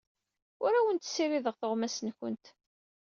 Ur awent-ssirideɣ tuɣmas-nwent.